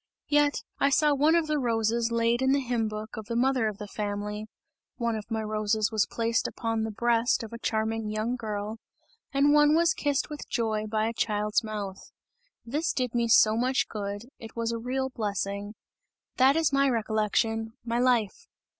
Yet, I saw one of the roses laid in the hymn book of the mother of the family; one of my roses was placed upon the breast of a charming young girl, and one was kissed with joy by a child's mouth. This did me so much good, it was a real blessing! That is my recollection, my life!"